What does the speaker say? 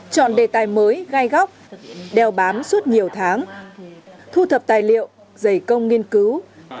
chọn đề tài mới gai góc đeo bám suốt nhiều tháng thu thập tài liệu dày công nghiên cứu